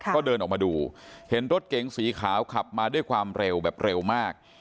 ก็เดินออกมาดูเห็นรถเก๋งสีขาวขับมาด้วยความเร็วแบบเร็วมาก